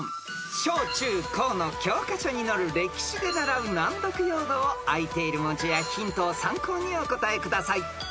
［小中高の教科書に載る歴史で習う難読用語をあいている文字やヒントを参考にお答えください］